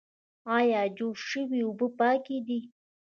ایا جوش شوې اوبه پاکې دي؟